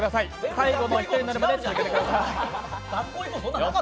最後の１人になるまで続けてください。